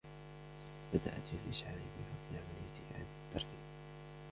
بدأت في الإشعاع بفضل عملية إعادة التركيب